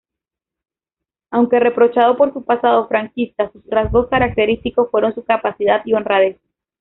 Aunque reprochado por su pasado franquista, sus rasgos característicos fueron su capacidad y honradez.